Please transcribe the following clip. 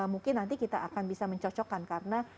mungkin nanti kita akan bisa mencocokkan karena